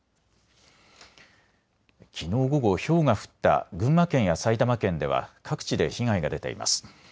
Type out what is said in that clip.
きのう午後、ひょうが降った群馬県や埼玉県では各地で被害が出ています。